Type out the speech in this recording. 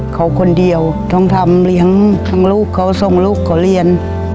เขาคนเดียวต้องทำเลี้ยงทั้งลูกเขาส่งลูกเขาเรียน